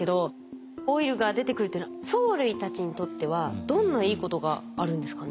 オイルが出てくるっていうのは藻類たちにとってはどんないいことがあるんですかね？